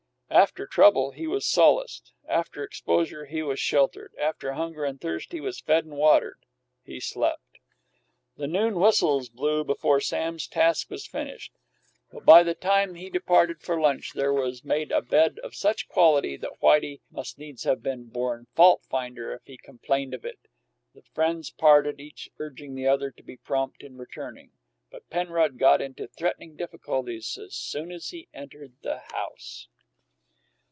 After trouble, he was solaced; after exposure, he was sheltered; after hunger and thirst, he was fed and watered. He slept. The noon whistles blew before Sam's task was finished, but by the time he departed for lunch there was made a bed of such quality that Whitey must needs have been born faultfinder if he complained of it. The friends parted, each urging the other to be prompt in returning, but Penrod got into threatening difficulties as soon as he entered the house.